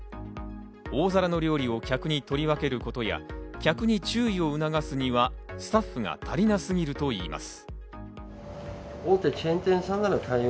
大皿の料理を客に取り分けることや、客に注意を促すにはスタッフが足りなすぎるといいます。